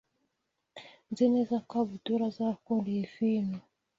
Nzi neza ko Abdul azakunda iyi vino.